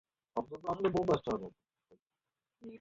ধান কাটার জন্য দুই দিন ধরে খোঁজ করেও শ্রমিক পাচ্ছেন না।